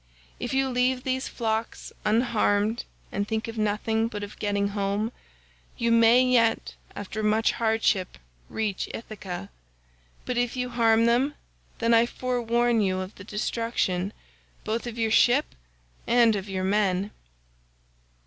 If you leave these flocks unharmed and think of nothing but of getting home, you may yet after much hardship reach Ithaca; but if you harm them, then I forewarn you of the destruction both of your ship and of your men.